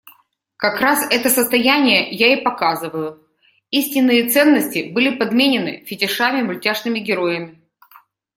Как раз это состояние я и показываю, истинные ценности были подменены фетишами, мультяшными героями.